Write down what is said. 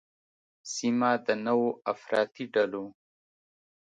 سیمه د نوو افراطي ډلو